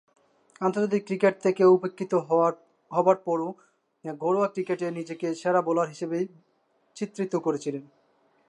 আন্তর্জাতিক ক্রিকেট থেকে উপেক্ষিত হবার পরও ঘরোয়া ক্রিকেটে নিজেকে সেরা বোলার হিসেবেই চিত্রিত করেছিলেন।